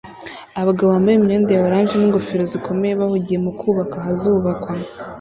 Abagabo bambaye imyenda ya orange n'ingofero zikomeye bahugiye mu kubaka ahazubakwa